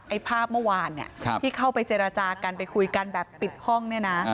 ไอ้ภาพเมื่อวานที่เข้าไปเจรจากันไปคุยกันแบบปิดห้อง